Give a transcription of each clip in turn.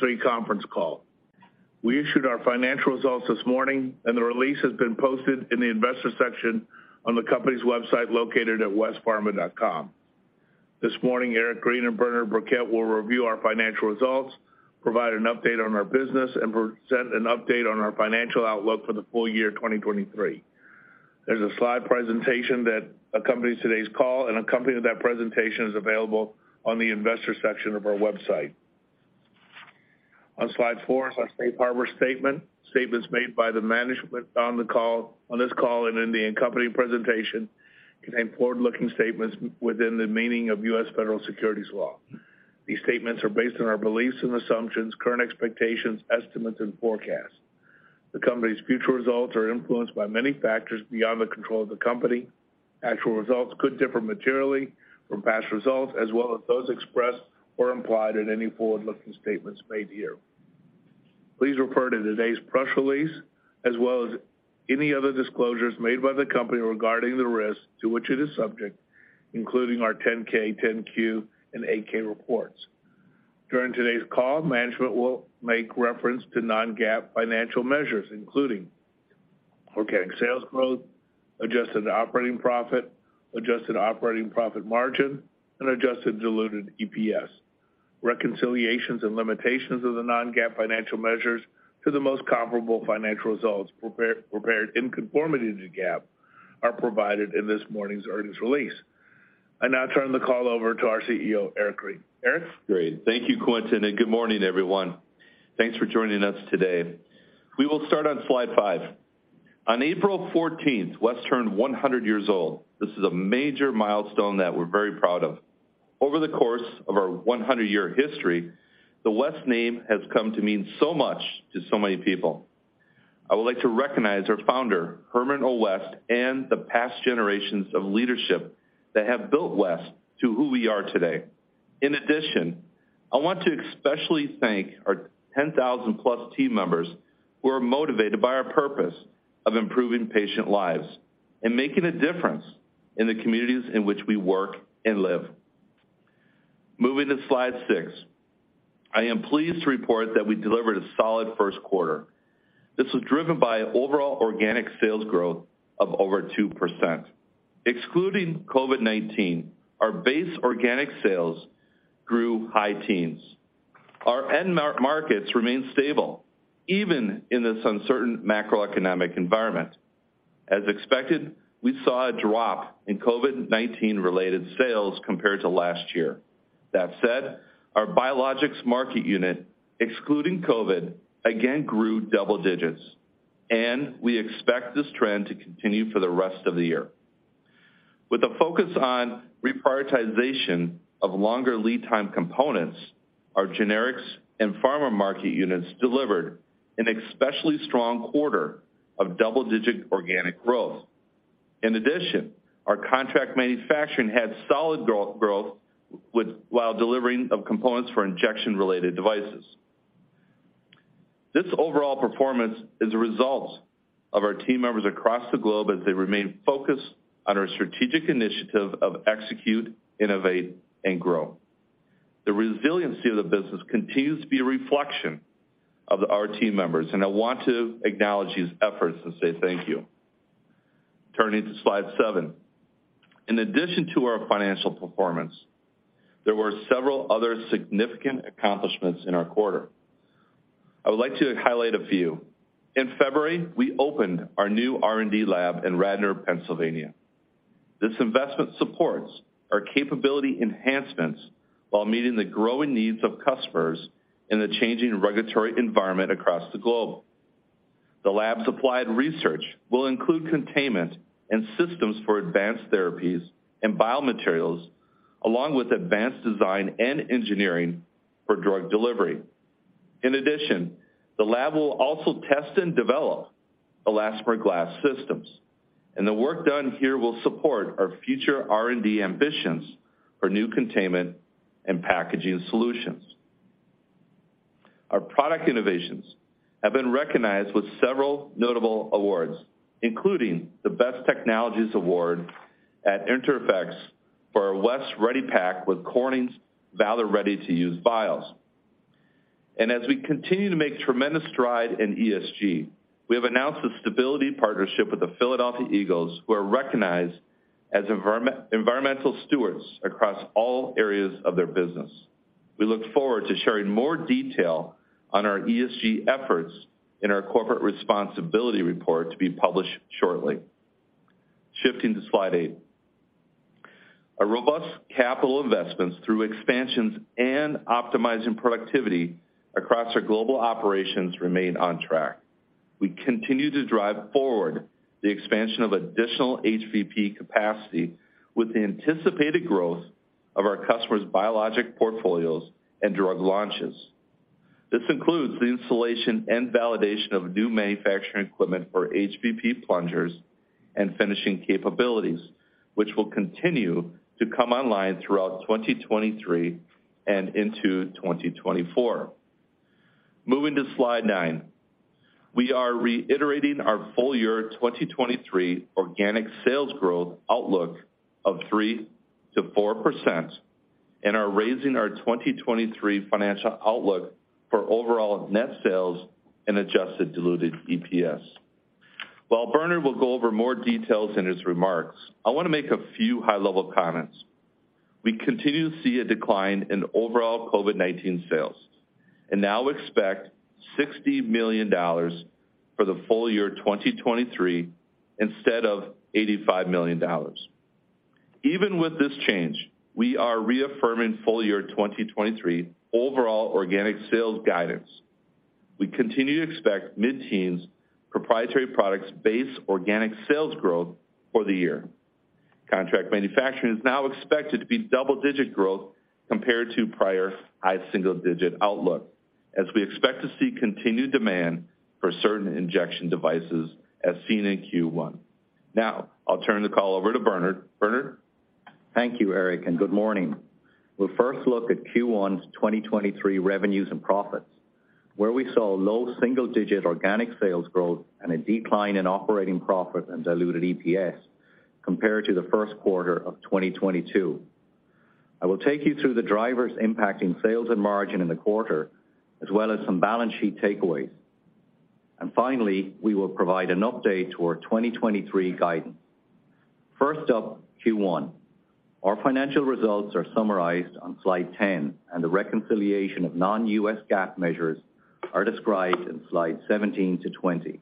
-three conference call. We issued our financial results this morning, and the release has been posted in the investor section on the company's website located at westpharma.com. This morning, Eric Green and Bernard Birkett will review our financial results, provide an update on our business, and present an update on our financial outlook for the full year 2023. There's a slide presentation that accompanies today's call, and a copy of that presentation is available on the investor section of our website. On slide four is our safe harbor statement. Statements made by the management on the call, on this call and in the accompanying presentation contain forward-looking statements within the meaning of U.S. federal securities law. These statements are based on our beliefs and assumptions, current expectations, estimates and forecasts. The company's future results are influenced by many factors beyond the control of the company. Actual results could differ materially from past results, as well as those expressed or implied in any forward-looking statements made here. Please refer to today's press release as well as any other disclosures made by the company regarding the risks to which it is subject, including our 10-K, 10-Q, and 8-K reports. During today's call, management will make reference to non-GAAP financial measures, including organic sales growth, adjusted operating profit, adjusted operating profit margin, and adjusted diluted EPS. Reconciliations and limitations of the non-GAAP financial measures to the most comparable financial results prepared in conformity to GAAP are provided in this morning's earnings release. I now turn the call over to our CEO, Eric Green. Eric? Great. Thank you, Quintin, and good morning, everyone. Thanks for joining us today. We will start on slide five. On April 14th, West turned 100 years old. This is a major milestone that we're very proud of. Over the course of our 100-year history, the West name has come to mean so much to so many people. I would like to recognize our founder, Herman O. West, and the past generations of leadership that have built West to who we are today. In addition, I want to especially thank our 10,000+ team members who are motivated by our purpose of improving patient lives and making a difference in the communities in which we work and live. Moving to slide six. I am pleased to report that we delivered a solid first quarter. This was driven by overall organic sales growth of over 2%. Excluding COVID-19, our base organic sales grew high teens. Our end markets remain stable, even in this uncertain macroeconomic environment. As expected, we saw a drop in COVID-19-related sales compared to last year. Our biologics market unit, excluding COVID, again grew double digits, and we expect this trend to continue for the rest of the year. With a focus on reprioritization of longer lead time components, our generics and pharma market units delivered an especially strong quarter of double-digit organic growth. Our contract manufacturing had solid growth while delivering of components for injection-related devices. This overall performance is a result of our team members across the globe as they remain focused on our strategic initiative of execute, innovate, and grow. The resiliency of the business continues to be a reflection of our team members, and I want to acknowledge these efforts and say thank you. Turning to slide seven. In addition to our financial performance, there were several other significant accomplishments in our quarter. I would like to highlight a few. In February, we opened our new R&D lab in Radnor, Pennsylvania. This investment supports our capability enhancements while meeting the growing needs of customers in the changing regulatory environment across the globe. The lab's applied research will include containment and systems for advanced therapies and biomaterials, along with advanced design and engineering for drug delivery. In addition, the lab will also test and develop elastomer-glass systems, and the work done here will support our future R&D ambitions for new containment and packaging solutions. Our product innovations have been recognized with several notable awards, including the Best Technologies Award at INTERPHEX for our West Ready Pack with Corning's Valor ready-to-use vials. As we continue to make tremendous stride in ESG, we have announced a sustainability partnership with the Philadelphia Eagles, who are recognized as environmental stewards across all areas of their business. We look forward to sharing more detail on our ESG efforts in our corporate responsibility report to be published shortly. Shifting to slide eight. Our robust capital investments through expansions and optimizing productivity across our global operations remain on track. We continue to drive forward the expansion of additional HVP capacity with the anticipated growth of our customers' biologic portfolios and drug launches. This includes the installation and validation of new manufacturing equipment for HVP plungers and finishing capabilities, which will continue to come online throughout 2023 and into 2024. Moving to slide nine. We are reiterating our full year 2023 organic sales growth outlook of 3%-4% and are raising our 2023 financial outlook for overall net sales and adjusted diluted EPS. While Bernard will go over more details in his remarks, I want to make a few high-level comments. We continue to see a decline in overall COVID-19 sales and now expect $60 million for the full year 2023 instead of $85 million. Even with this change, we are reaffirming full year 2023 overall organic sales guidance. We continue to expect mid-teens proprietary products base organic sales growth for the year. Contract manufacturing is now expected to be double-digit growth compared to prior high single digit outlook, as we expect to see continued demand for certain injection devices as seen in Q1. Now I'll turn the call over to Bernard. Bernard? Thank you, Eric, and good morning. We'll first look at Q1 2023 revenues and profits, where we saw low single-digit organic sales growth and a decline in operating profit and diluted EPS compared to the first quarter of 2022. I will take you through the drivers impacting sales and margin in the quarter as well as some balance sheet takeaways. Finally, we will provide an update to our 2023 guidance. First up, Q1. Our financial results are summarized on slide 10, and the reconciliation of non-GAAP measures are described in slide 17-20.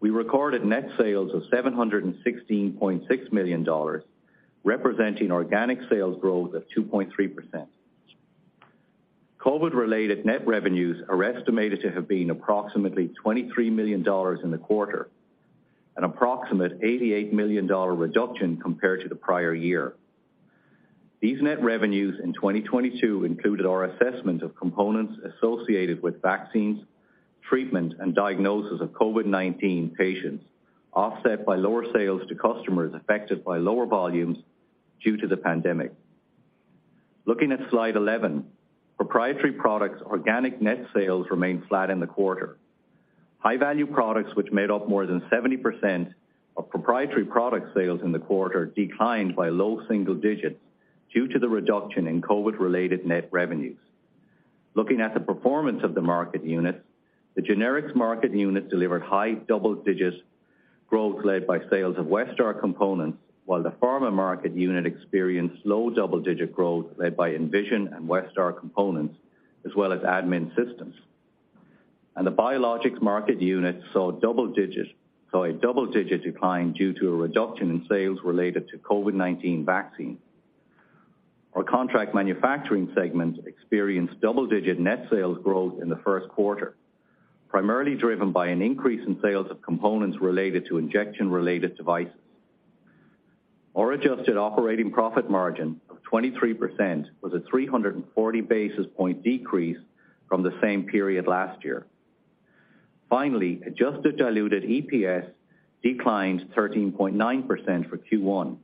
We recorded net sales of $716.6 million, representing organic sales growth of 2.3%. COVID-related net revenues are estimated to have been approximately $23 million in the quarter, an approximate $88 million reduction compared to the prior year. These net revenues in 2022 included our assessment of components associated with vaccines, treatment, and diagnosis of COVID-19 patients, offset by lower sales to customers affected by lower volumes due to the pandemic. Looking at slide 11, proprietary products organic net sales remained flat in the quarter. High-Value Products, which made up more than 70% of proprietary product sales in the quarter, declined by low single digits due to the reduction in COVID-related net revenues. Looking at the performance of the market units, the generics market unit delivered high double-digit growth led by sales of Westar components, while the pharma market unit experienced low double-digit growth led by Envision and Westar components as well as administration systems. The biologics market unit saw a double-digit decline due to a reduction in sales related to COVID-19 vaccine. Our contract manufacturing segment experienced double-digit net sales growth in the first quarter, primarily driven by an increase in sales of components related to injection-related devices. Our adjusted operating profit margin of 23% was a 340 basis point decrease from the same period last year. Finally, adjusted diluted EPS declined 13.9% for Q1.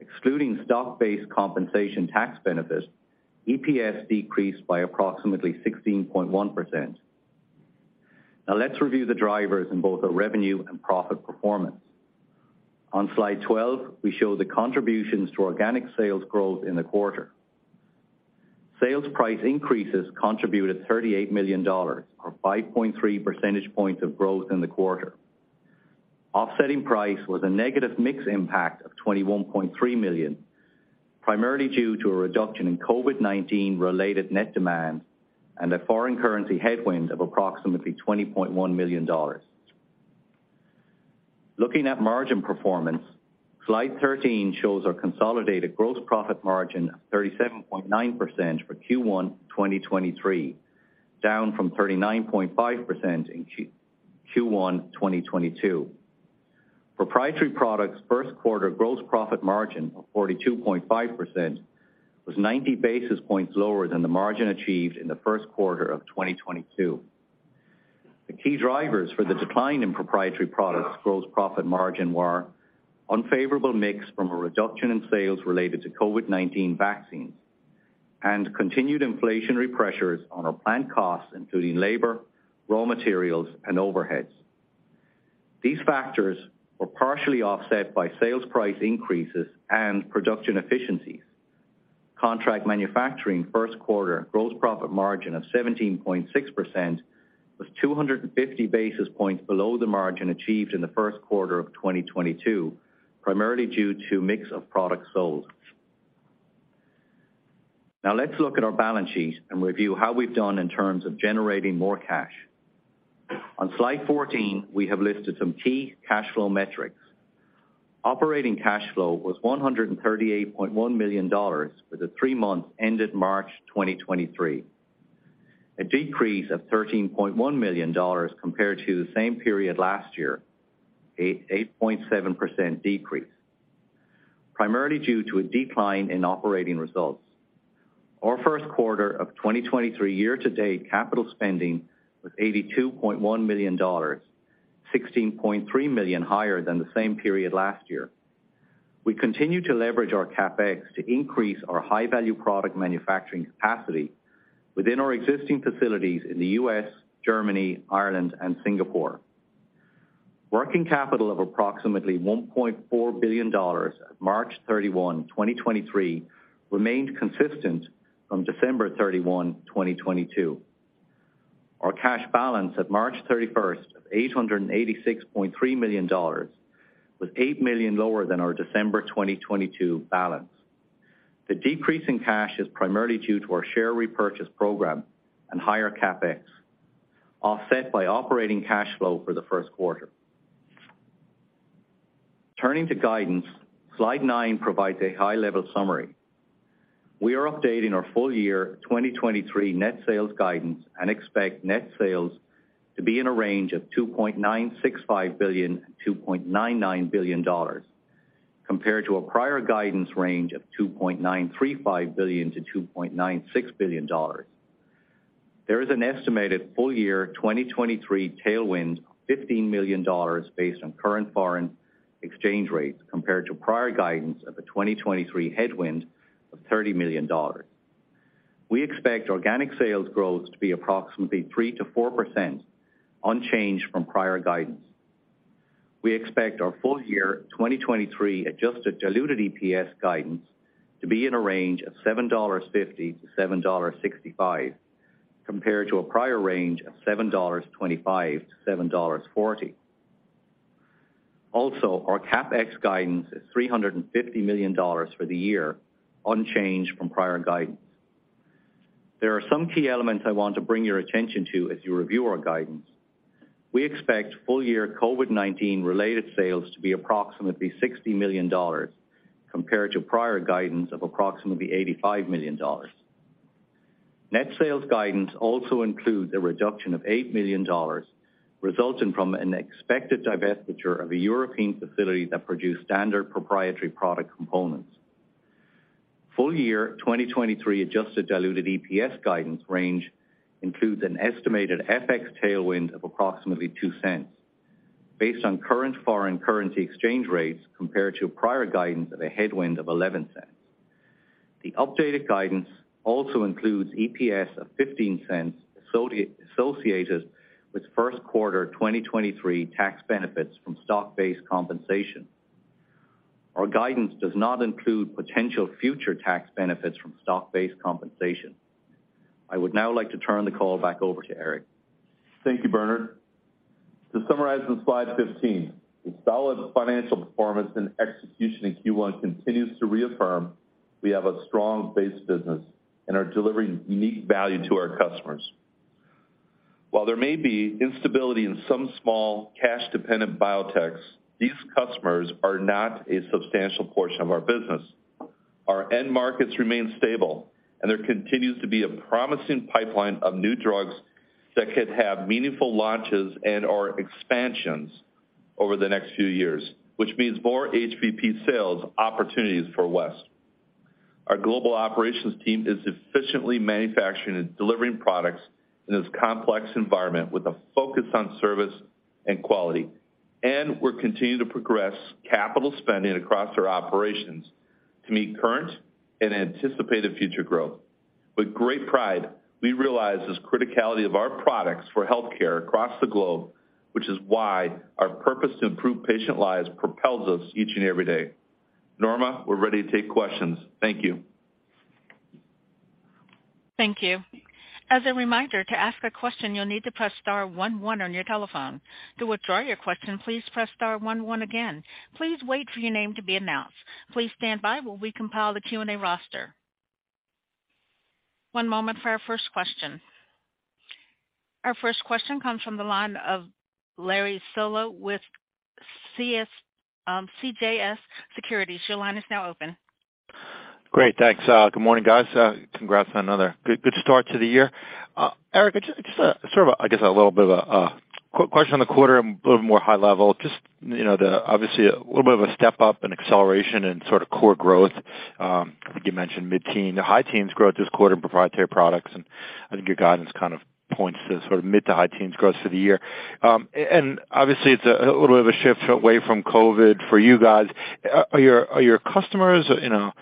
Excluding stock-based compensation tax benefits, EPS decreased by approximately 16.1%. Let's review the drivers in both our revenue and profit performance. On slide 12, we show the contributions to organic sales growth in the quarter. Sales price increases contributed $38 million or 5.3 percentage points of growth in the quarter. Offsetting price was a negative mix impact of $21.3 million, primarily due to a reduction in COVID-19 related net demand and a foreign currency headwind of approximately $20.1 million. Looking at margin performance, slide 13 shows our consolidated gross profit margin of 37.9% for Q1 2023, down from 39.5% in Q1 2022. Proprietary Products first quarter gross profit margin of 42.5% was 90 basis points lower than the margin achieved in the first quarter of 2022. The key drivers for the decline in Proprietary Products gross profit margin were unfavorable mix from a reduction in sales related to COVID-19 vaccines and continued inflationary pressures on our plant costs, including labor, raw materials, and overheads. These factors were partially offset by sales price increases and production efficiencies. Contract manufacturing first quarter gross profit margin of 17.6% was 250 basis points below the margin achieved in the first quarter of 2022, primarily due to mix of products sold. Let's look at our balance sheet and review how we've done in terms of generating more cash. On slide 14, we have listed some key cash flow metrics. Operating cash flow was $138.1 million for the three months ended March 2023, a decrease of $13.1 million compared to the same period last year, a 8.7% decrease primarily due to a decline in operating results. Our first quarter of 2023 year to date capital spending was $82.1 million, $16.3 million higher than the same period last year. We continue to leverage our CapEx to increase our High-Value Products manufacturing capacity within our existing facilities in the U.S., Germany, Ireland, and Singapore. Working capital of approximately $1.4 billion at March 31, 2023 remained consistent from December 31, 2022. Our cash balance at March 31st of $886.3 million was $8 million lower than our December 2022 balance. The decrease in cash is primarily due to our share repurchase program and higher CapEx, offset by operating cash flow for the first quarter. Turning to guidance, slide nine provides a high-level summary. We are updating our full year 2023 net sales guidance and expect net sales to be in a range of $2.965 billion-$2.99 billion, compared to a prior guidance range of $2.935 billion-$2.96 billion. There is an estimated full year 2023 tailwind of $15 million based on current foreign exchange rates compared to prior guidance of a 2023 headwind of $30 million. We expect organic sales growth to be approximately 3%-4% unchanged from prior guidance. We expect our full year 2023 adjusted diluted EPS guidance to be in a range of $7.50-$7.65, compared to a prior range of $7.25-$7.40. Our CapEx guidance is $350 million for the year, unchanged from prior guidance. There are some key elements I want to bring your attention to as you review our guidance. We expect full year COVID-19 related sales to be approximately $60 million compared to prior guidance of approximately $85 million. Net sales guidance also includes a reduction of $8 million resulting from an expected divestiture of a European facility that produce standard proprietary product components. Full year 2023 adjusted diluted EPS guidance range includes an estimated FX tailwind of approximately $0.02 based on current foreign currency exchange rates compared to prior guidance of a headwind of $0.11. The updated guidance also includes EPS of $0.15 associated with first quarter 2023 tax benefits from stock-based compensation. Our guidance does not include potential future tax benefits from stock-based compensation. I would now like to turn the call back over to Eric. Thank you, Bernard. To summarize on slide 15, the solid financial performance and execution in Q1 continues to reaffirm we have a strong base business and are delivering unique value to our customers. While there may be instability in some small cash-dependent biotechs, these customers are not a substantial portion of our business. Our end markets remain stable, and there continues to be a promising pipeline of new drugs that could have meaningful launches and/or expansions over the next few years, which means more HVP sales opportunities for West. Our global operations team is efficiently manufacturing and delivering products in this complex environment with a focus on service and quality, and we're continuing to progress capital spending across our operations to meet current and anticipated future growth. With great pride, we realize this criticality of our products for healthcare across the globe, which is why our purpose to improve patient lives propels us each and every day. Norma, we're ready to take questions. Thank you. Thank you. As a reminder, to ask a question, you'll need to press star one one on your telephone. To withdraw your question, please press star one one again. Please wait for your name to be announced. Please stand by while we compile the Q&A roster. One moment for our first question. Our first question comes from the line of Larry Solow with CJS Securities. Your line is now open. Great. Thanks. Good morning, guys. Congrats on another good start to the year. Eric, just a sort of, I guess, a little bit of a question on the quarter and a little more high level. Just, you know, obviously a little bit of a step up and acceleration in sort of core growth. I think you mentioned mid-teen to high-teens growth this quarter in proprietary products, and I think your guidance kind of points to sort of mid to high-teens growth for the year. Obviously it's a little bit of a shift away from COVID for you guys. Are your customers, you know,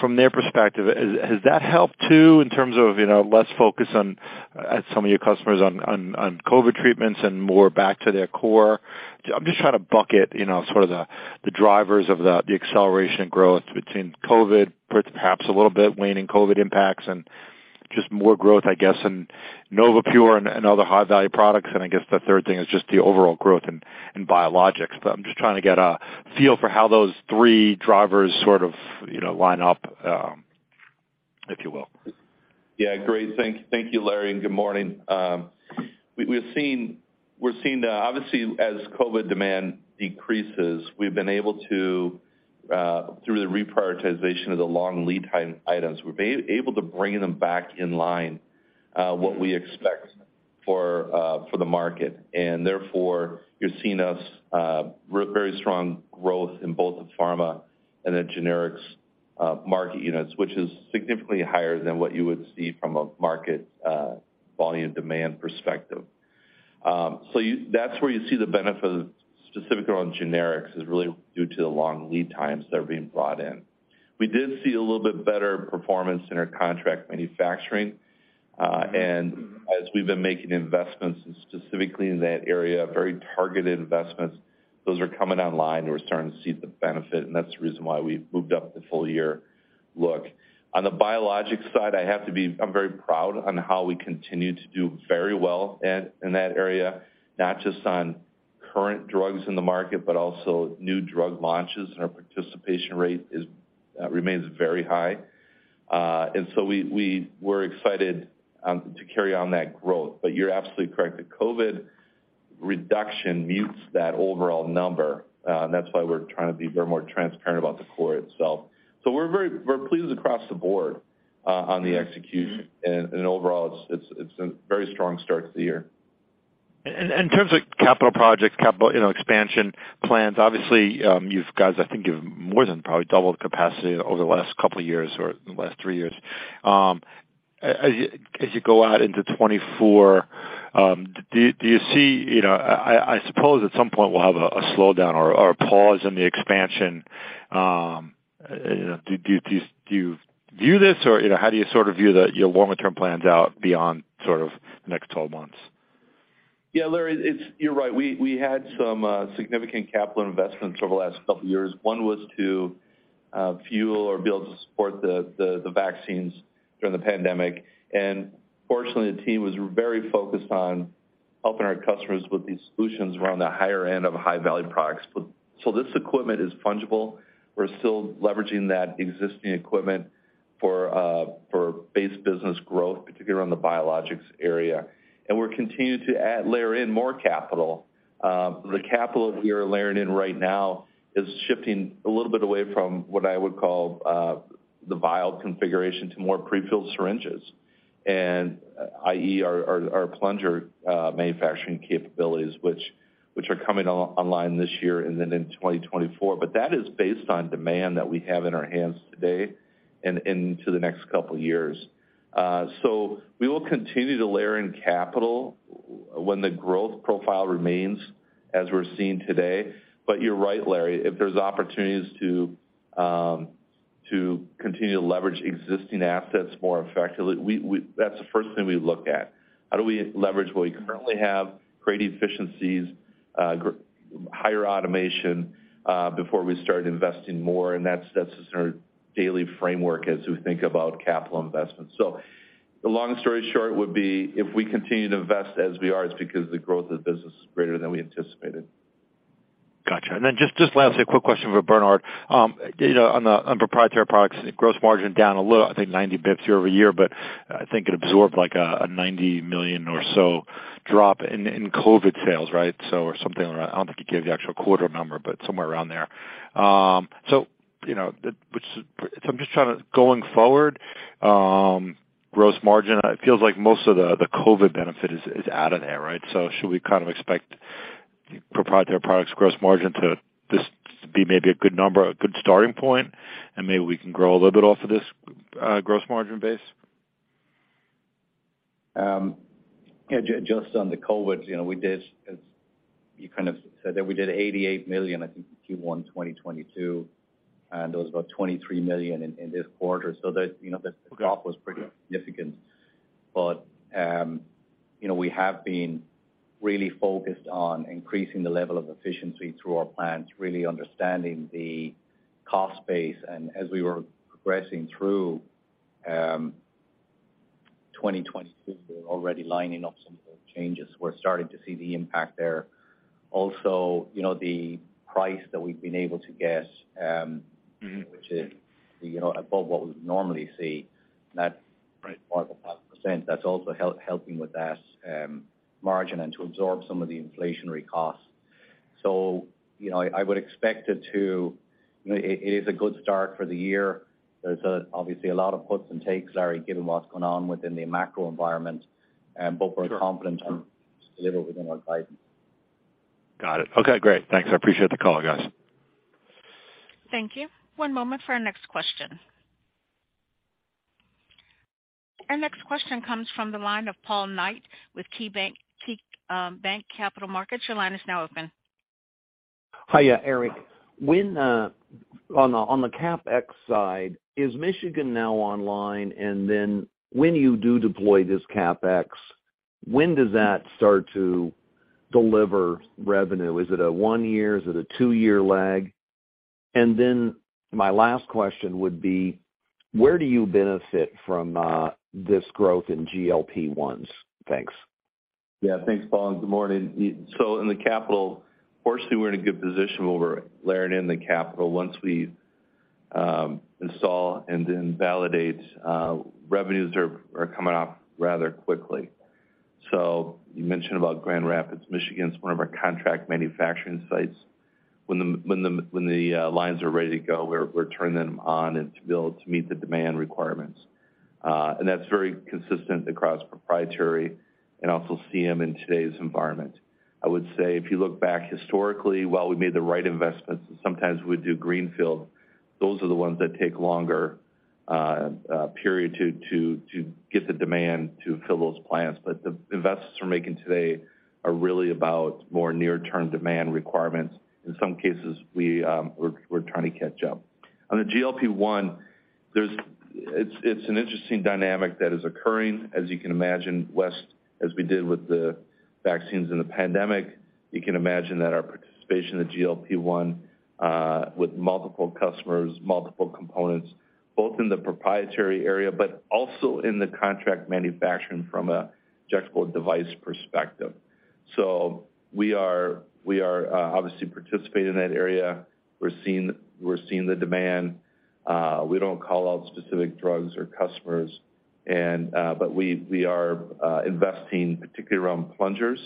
from their perspective, has that helped too in terms of, you know, less focus at some of your customers on COVID treatments and more back to their core? I'm just trying to bucket, you know, sort of the drivers of the acceleration growth between COVID, perhaps a little bit waning COVID impacts and just more growth, I guess, and NovaPure and other High-Value Products. I guess the third thing is just the overall growth in biologics. I'm just trying to get a feel for how those three drivers sort of, you know, line up, if you will. Yeah. Great. Thank you, Larry. Good morning. We're seeing the obviously, as COVID demand decreases, we've been able to through the reprioritization of the long lead time items, we've been able to bring them back in line what we expect for the market. Therefore, you're seeing us very strong growth in both the pharma and the generics market units, which is significantly higher than what you would see from a market volume demand perspective. That's where you see the benefit of specifically on generics is really due to the long lead times that are being brought in. We did see a little bit better performance in our contract manufacturing. As we've been making investments specifically in that area, very targeted investments, those are coming online and we're starting to see the benefit, and that's the reason why we've moved up the full year look. On the biologic side, I'm very proud on how we continue to do very well in that area, not just on current drugs in the market, but also new drug launches, and our participation rate remains very high. We're excited to carry on that growth. You're absolutely correct. The COVID reduction mutes that overall number. That's why we're trying to be very more transparent about the core itself. We're pleased across the board on the execution. Overall it's a very strong start to the year. In terms of capital projects, capital, you know, expansion plans, obviously, you've guys, I think you've more than probably doubled capacity over the last couple of years or in the last three years. As you go out into 2024, do you see, you know, I suppose at some point we'll have a slowdown or a pause in the expansion? You know, do you view this or, you know, how do you sort of view your longer term plans out beyond sort of the next 12 months? Yeah, Larry, you're right. We had some significant capital investments over the last couple of years. One was to fuel or be able to support the vaccines during the pandemic. Fortunately, the team was very focused on helping our customers with these solutions around the higher end of High-Value Products. This equipment is fungible. We're still leveraging that existing equipment for base business growth, particularly around the biologics area. We're continuing to add layer in more capital. The capital we are layering in right now is shifting a little bit away from what I would call the vial configuration to more prefilled syringes and i.e., our plunger manufacturing capabilities, which are coming on-line this year and then in 2024. That is based on demand that we have in our hands today and into the next couple of years. We will continue to layer in capital when the growth profile remains as we're seeing today. You're right, Larry, if there's opportunities to continue to leverage existing assets more effectively, we, that's the first thing we look at. How do we leverage what we currently have, create efficiencies, higher automation, before we start investing more? That's, that's our daily framework as we think about capital investments. The long story short would be if we continue to invest as we are, it's because the growth of the business is greater than we anticipated. Gotcha. Just lastly, a quick question for Bernard. you know, on proprietary products, gross margin down a little, I think 90 basis points year-over-year, but I think it absorbed like a $90 million or so drop in COVID sales, right? or something around. I don't think you gave the actual quarter number, but somewhere around there. you know, I'm just trying to, going forward, gross margin, it feels like most of the COVID benefit is out of there, right? Should we kind of expect proprietary products gross margin to just be maybe a good number, a good starting point, and maybe we can grow a little bit off of this gross margin base? Yeah, just on the COVID, you know, we did, as you kind of said there, we did $88 million, I think in Q1 2022, and there was about $23 million in this quarter. That, you know, the drop was pretty significant. You know, we have been really focused on increasing the level of efficiency through our plants, really understanding the cost base. As we were progressing through 2022, we were already lining up some of the changes. We're starting to see the impact there. Also, you know, the price that we've been able to get. Mm-hmm. which is, you know, above what we'd normally see, that multiple %, that's also helping with that margin and to absorb some of the inflationary costs. You know, I would expect it to. You know, it is a good start for the year. There's obviously a lot of puts and takes, Larry, given what's going on within the macro environment. We're confident to deliver within our guidance. Got it. Okay, great. Thanks. I appreciate the call, guys. Thank you. One moment for our next question. Our next question comes from the line of Paul Knight with KeyBanc Capital Markets. Your line is now open. Eric, when on the CapEx side, is Michigan now online? When you do deploy this CapEx, when does that start to deliver revenue? Is it a one year? Is it a two year lag? My last question would be, where do you benefit from this growth in GLP-1s? Thanks. Yeah. Thanks, Paul. Good morning. In the capital, fortunately, we're in a good position where we're layering in the capital. Once we install and then validate, revenues are coming up rather quickly. You mentioned about Grand Rapids, Michigan. It's one of our contract manufacturing sites. When the lines are ready to go, we're turning them on and to be able to meet the demand requirements. That's very consistent across proprietary and also CM in today's environment. I would say if you look back historically, while we made the right investments, sometimes we do greenfield. Those are the ones that take longer period to get the demand to fill those plants. The investments we're making today are really about more near-term demand requirements. In some cases, we're trying to catch up. On the GLP-1, it's an interesting dynamic that is occurring. As you can imagine, Wes, as we did with the vaccines in the pandemic, you can imagine that our participation in GLP-1 with multiple customers, multiple components, both in the proprietary area, but also in the contract manufacturing from an injectable device perspective. We are obviously participating in that area. We're seeing the demand. We don't call out specific drugs or customers, but we are investing particularly around plungers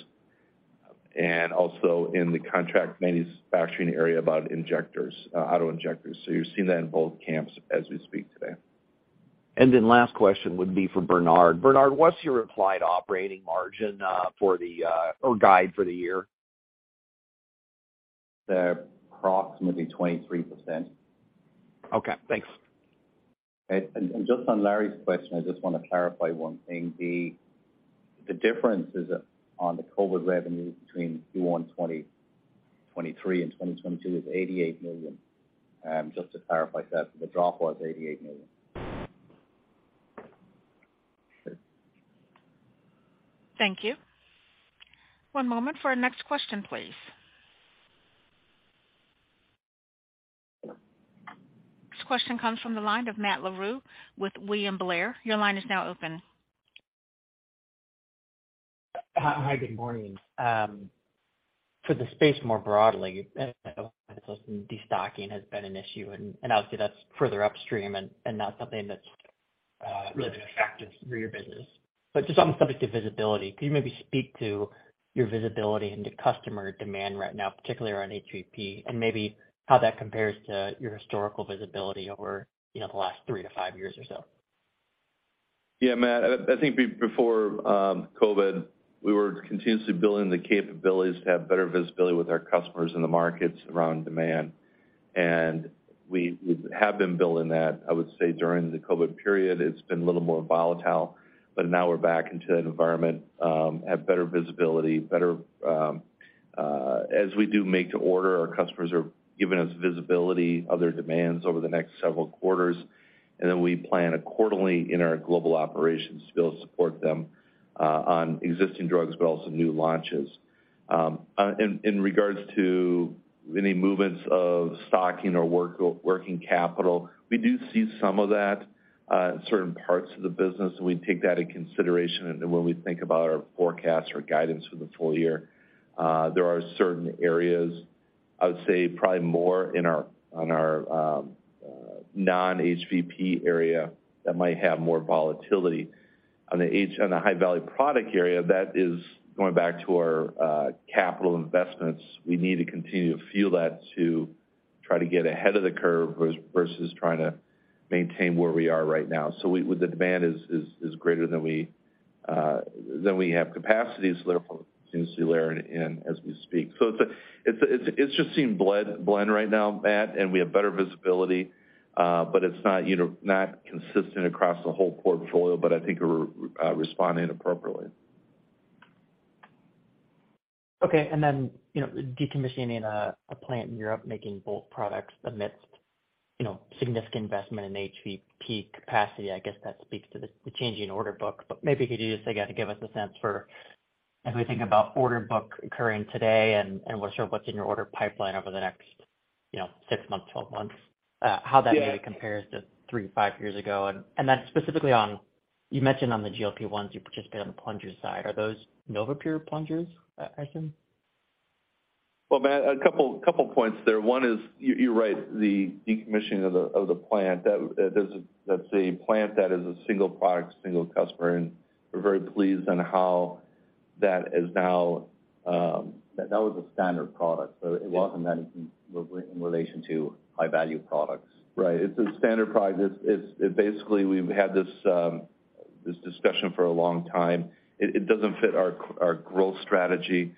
and also in the contract manufacturing area about injectors, auto-injectors. You're seeing that in both camps as we speak today. Last question would be for Bernard. Bernard, what's your implied operating margin or guide for the year? Approximately 23%. Okay, thanks. Just on Larry's question, I just want to clarify one thing. The difference is on the COVID revenue between Q1 2023 and 2022 is $88 million. Just to clarify that, the drop was $88 million. Thank you. One moment for our next question, please. This question comes from the line of Matt Larew with William Blair. Your line is now open. Hi. Good morning. For the space more broadly, Yeah, Matt, I think before COVID, we were continuously building the capabilities to have better visibility with our customers in the markets around demand. We have been building that, I would say, during the COVID period. It's been a little more volatile, but now we're back into that environment, have better visibility, better, as we do make to order, our customers are giving us visibility of their demands over the next several quarters. We plan accordingly in our global operations to be able to support them on existing drugs but also new launches. In regards to any movements of stocking or working capital, we do see some of that in certain parts of the business, and we take that into consideration when we think about our forecast or guidance for the full year. There are certain areas, I would say probably more in our, on our non-HVP area that might have more volatility. On the High-Value Product area, that is going back to our capital investments. We need to continue to fuel that to try to get ahead of the curve versus trying to maintain where we are right now. The demand is greater than we have capacity, therefore, continuously layering in as we speak. It's just blend right now, Matt, and we have better visibility, but it's not, you know, not consistent across the whole portfolio, but I think we're responding appropriately. Okay. Then, you know, decommissioning a plant in Europe making both products amidst, you know, significant investment in HVP capacity, I guess that speaks to the changing order book. Maybe could you just, again, give us a sense for as we think about order book occurring today and what's in your order pipeline over the next, you know, six months, 12 months, how that really compares to three to five years ago. Then specifically on you mentioned on the GLP-1s, you participate on the plungers side. Are those NovaPure plungers, I assume? Well, Matt, a couple points there. One is you're right. The decommissioning of the plant, that's a plant that is a single product, single customer. We're very pleased on how that is now. That was a standard product. It wasn't anything in relation to High-Value Products. Right. It's a standard product. It's basically, we've had this discussion for a long time. It doesn't fit our growth strategy.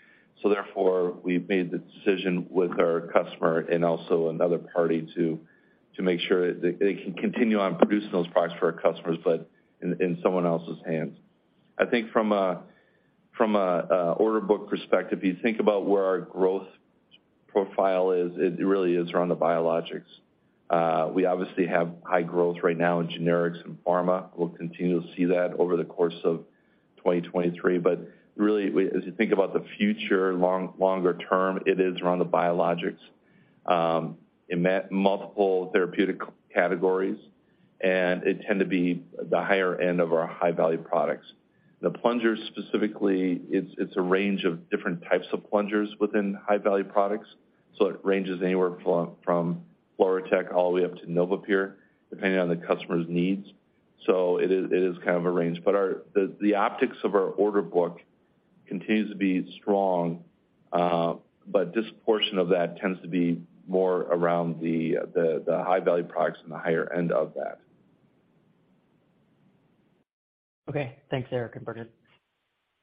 Therefore, we've made the decision with our customer and also another party to make sure they can continue on producing those products for our customers, but in someone else's hands. I think from a order book perspective, you think about where our growth profile is, it really is around the biologics. We obviously have high growth right now in generics and pharma. We'll continue to see that over the course of 2023. Really, as you think about the future longer term, it is around the biologics, in multiple therapeutic categories, and it tend to be the higher end of our High-Value Products. The plungers specifically, it's a range of different types of plungers within High-Value Products, so it ranges anywhere from FluroTec all the way up to NovaPure, depending on the customer's needs. It is kind of a range. The optics of our order book continues to be strong, but this portion of that tends to be more around the High-Value Products and the higher end of that. Okay. Thanks, Eric and Bernard.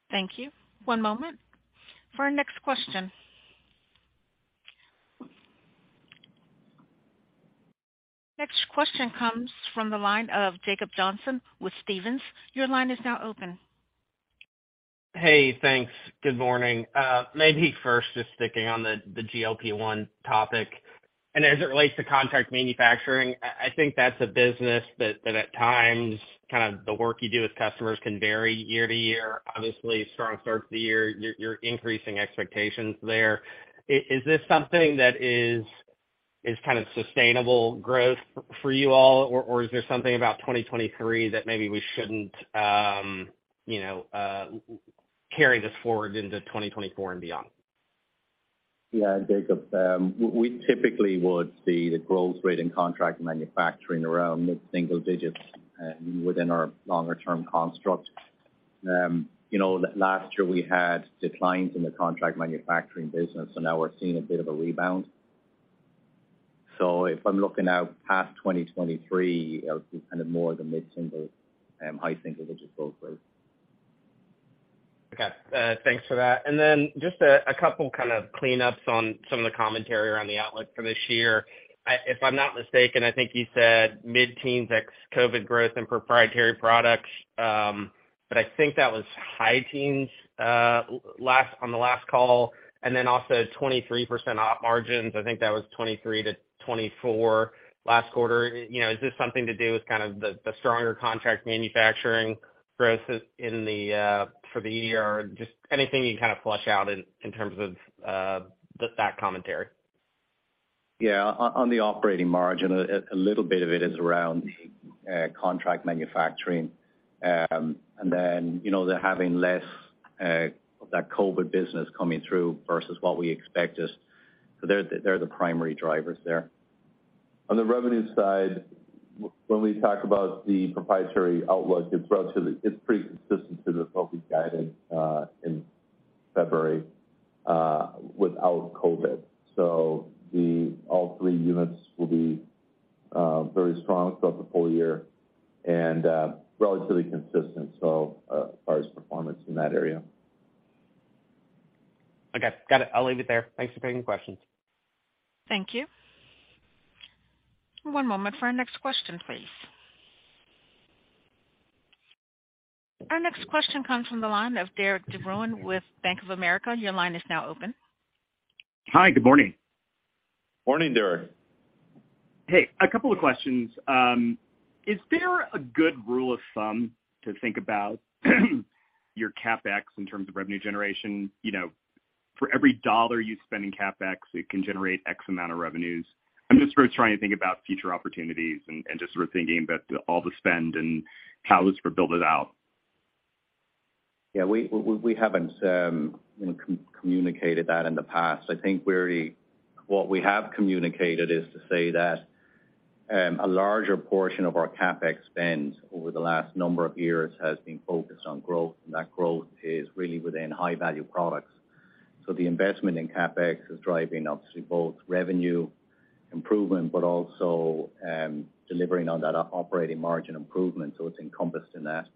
Thank you. One moment. For our next question. Next question comes from the line of Jacob Johnson with Stephens. Your line is now open. Hey, thanks. Good morning. Maybe first, just sticking on the GLP-1 topic, and as it relates to contract manufacturing, I think that's a business that at times, kind of the work you do with customers can vary year to year, obviously strong start to the year, you're increasing expectations there. Is this something that is kind of sustainable growth for you all? Or is there something about 2023 that maybe we shouldn't, you know, carry this forward into 2024 and beyond? Yeah, Jacob. We typically would see the growth rate in contract manufacturing around mid-single digits, within our longer-term construct. you know, last year we had declines in the contract manufacturing business, now we're seeing a bit of a rebound. If I'm looking out past 2023, it'll be kind of more the mid-single, high singles, which is both ways. Okay. Thanks for that. Just a couple kind of cleanups on some of the commentary around the outlook for this year. If I'm not mistaken, I think you said mid-teens ex-COVID growth in proprietary products, but I think that was high teens on the last call, and then also 23% op margins. I think that was 23%-24% last quarter. You know, is this something to do with kind of the stronger contract manufacturing growth in for the year or just anything you can kind of flush out in terms of just that commentary? On the operating margin, a little bit of it is around contract manufacturing. You know, they're having less of that COVID business coming through versus what we expect is... They're the primary drivers there. On the revenue side, when we talk about the proprietary outlook, it's relatively, it's pretty consistent to the focus guided in February, without COVID. The all 3 units will be very strong throughout the full year and relatively consistent, as far as performance in that area. Okay. Got it. I'll leave it there. Thanks for taking the questions. Thank you. One moment for our next question, please. Our next question comes from the line of Derik De Bruin with Bank of America. Your line is now open. Hi, good morning. Morning, Derik. Hey, a couple of questions. Is there a good rule of thumb to think about your CapEx in terms of revenue generation? You know, for every dollar you spend in CapEx, it can generate X amount of revenues. I'm just sort of trying to think about future opportunities and just sort of thinking that all the spend and how this would build it out. Yeah. We haven't, you know, communicated that in the past. I think what we have communicated is to say that a larger portion of our CapEx spend over the last number of years has been focused on growth, and that growth is really within High-Value Products. The investment in CapEx is driving obviously both revenue improvement, but also delivering on that operating margin improvement, so it's encompassed in that.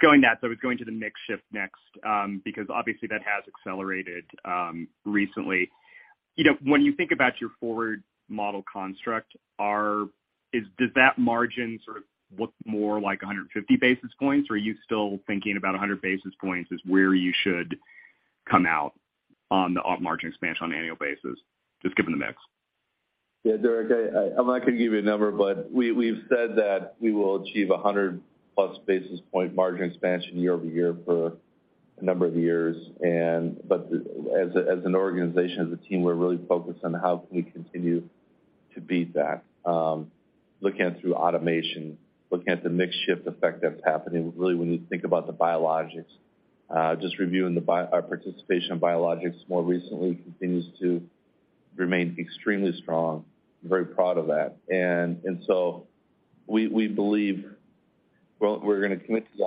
Going that, I was going to the mix shift next, because obviously that has accelerated recently. You know, when you think about your forward model construct, does that margin sort of look more like 150 basis points, or are you still thinking about 100 basis points is where you should come out on the op margin expansion on an annual basis, just given the mix? Derik, I'm not gonna give you a number, but we've said that we will achieve 100+ basis point margin expansion year-over-year for a number of years. But as an organization, as a team, we're really focused on how can we continue to beat that, looking at through automation, looking at the mix shift effect that's happening, really when you think about the biologics. Just reviewing our participation in biologics more recently continues to remain extremely strong. I'm very proud of that. So we believe we're gonna commit to the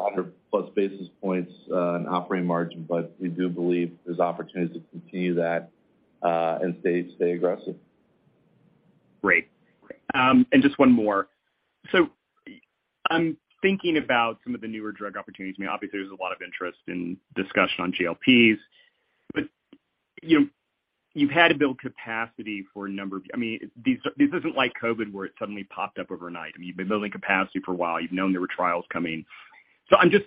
100+ basis points in operating margin, but we do believe there's opportunities to continue that and stay aggressive. Great. Just one more. I'm thinking about some of the newer drug opportunities. I mean, obviously, there's a lot of interest in discussion on GLPs, but, you know, you've had to build capacity for a number of... I mean, this isn't like COVID, where it suddenly popped up overnight. I mean, you've been building capacity for a while. You've known there were trials coming. I'm just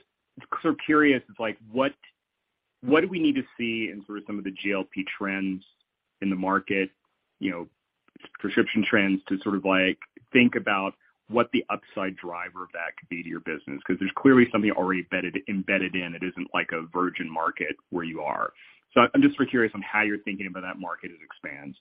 sort of curious, like, what do we need to see in sort of some of the GLP trends in the market, you know, prescription trends to sort of, like, think about what the upside driver of that could be to your business? Because there's clearly something already embedded in. It isn't like a virgin market where you are. I'm just curious on how you're thinking about that market as it expands.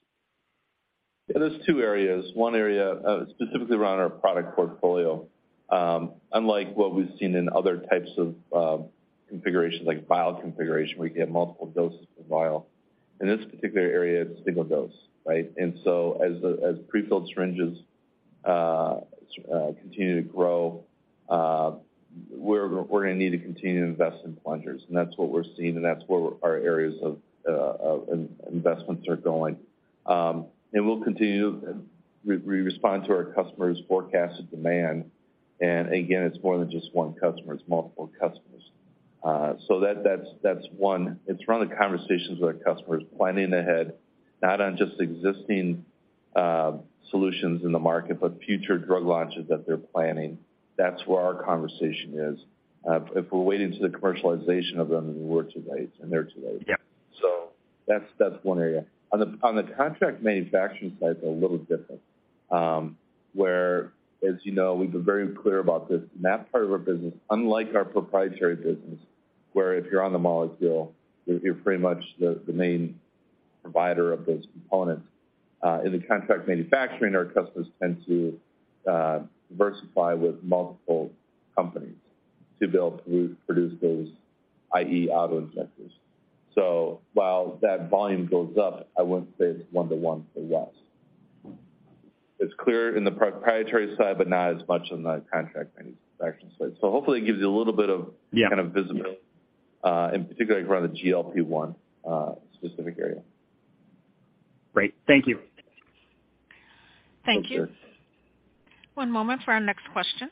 There's two areas. One area specifically around our product portfolio. Unlike what we've seen in other types of configurations, like vial configuration, where you get multiple doses per vial, in this particular area, it's single dose, right? As prefilled syringes continue to grow, we're gonna need to continue to invest in plungers, and that's what we're seeing, and that's where our areas of investments are going. We'll continue and we respond to our customers' forecasted demand. Again, it's more than just one customer, it's multiple customers. That's one. It's one of the conversations with our customers planning ahead, not on just existing solutions in the market, but future drug launches that they're planning. That's where our conversation is. If we're waiting till the commercialization of them, we're too late and they're too late. Yeah. That's one area. On the contract manufacturing side is a little different, where, as you know, we've been very clear about this. In that part of our business, unlike our proprietary business, where if you're on the molecule, you're pretty much the main provider of those components. In the contract manufacturing, our customers tend to diversify with multiple companies to be able to produce those, i.e., auto-injectors. While that volume goes up, I wouldn't say it's one to one for West. It's clear in the proprietary side, but not as much on the contract manufacturing side. Hopefully it gives you a little bit of. Yeah. -kind of visibility, in particular around the GLP-1, specific area. Great. Thank you. Thank you, sir. Thank you. One moment for our next question.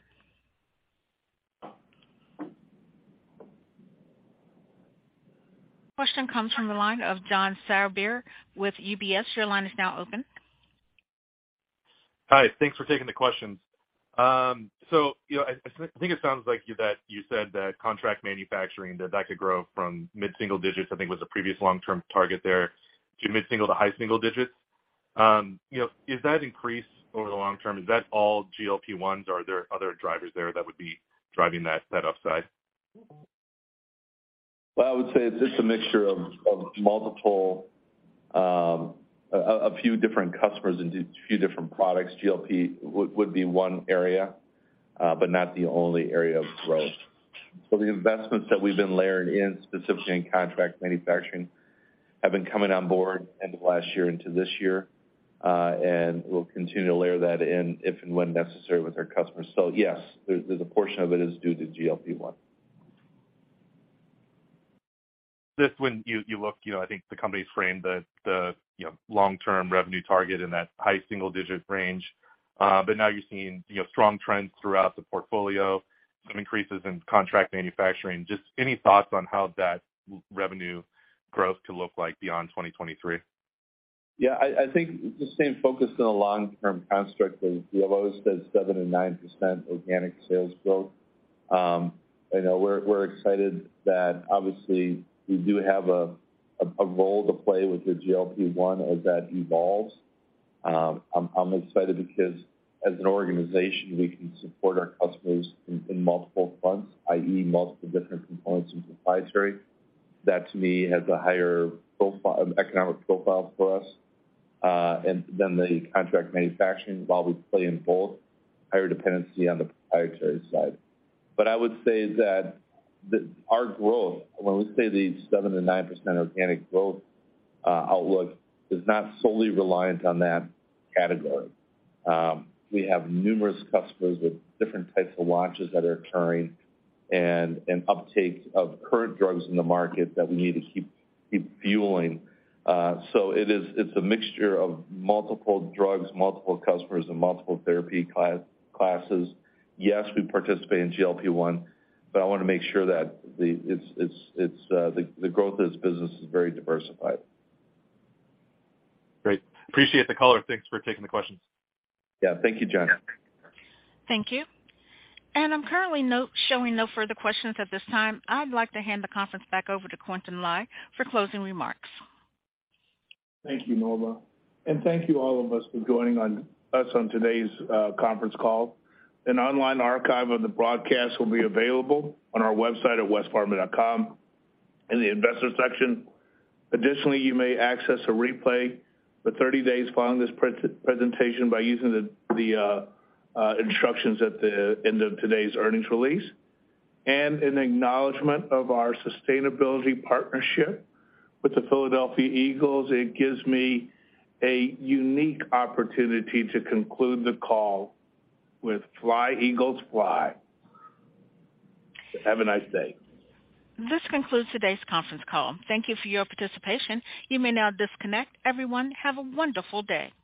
Question comes from the line of John Sourbeer with UBS. Your line is now open. Hi. Thanks for taking the questions. You know, I think it sounds like you that you said that contract manufacturing, that could grow from mid-single digits, I think was the previous long-term target there to mid-single to high single digits. You know, is that increased over the long term? Is that all GLP-1s or are there other drivers there that would be driving that upside? I would say it's a mixture of multiple, a few different customers and a few different products. GLP would be one area, but not the only area of growth. The investments that we've been layering in, specifically in contract manufacturing, have been coming on board end of last year into this year. We'll continue to layer that in if and when necessary with our customers. Yes, there's a portion of it is due to GLP-1. Just when you look, you know, I think the company's framed the, you know, long-term revenue target in that high single-digit range. Now you're seeing, you know, strong trends throughout the portfolio, some increases in contract manufacturing. Just any thoughts on how that revenue growth could look like beyond 2023? I think just staying focused on a long-term construct is, we have always said 7%-9% organic sales growth. I know we're excited that obviously we do have a role to play with the GLP-1 as that evolves. I'm excited because as an organization we can support our customers in multiple fronts, i.e., multiple different components and proprietary. That to me has a higher profile, economic profile for us, and than the contract manufacturing while we play in both higher dependency on the proprietary side. I would say that our growth, when we say the 7%-9% organic growth, outlook is not solely reliant on that category. We have numerous customers with different types of launches that are occurring and an uptake of current drugs in the market that we need to keep fueling. It is, it's a mixture of multiple drugs, multiple customers and multiple therapy classes. We participate in GLP-1, but I wanna make sure that the growth of this business is very diversified. Great. Appreciate the color. Thanks for taking the questions. Yeah, thank you, John. Thank you. I'm currently showing no further questions at this time. I'd like to hand the conference back over to Quintin Lai for closing remarks. Thank you, Norma. Thank you all of us for joining us on today's conference call. An online archive of the broadcast will be available on our website at westpharma.com in the Investor section. Additionally, you may access a replay for 30 days following this presentation by using the instructions at the end of today's earnings release. In acknowledgement of our sustainability partnership with the Philadelphia Eagles, it gives me a unique opportunity to conclude the call with Fly, Eagles, Fly. Have a nice day. This concludes today's conference call. Thank you for your participation. You may now disconnect. Everyone, have a wonderful day.